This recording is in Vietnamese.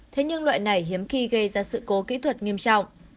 thế nhưng loại này hiếm khi gây ra sự cố kỹ thuật nghiêm trọng